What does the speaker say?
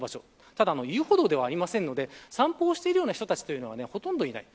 ただ、遊歩道ではありませんので散歩をしているような人はほとんどいません。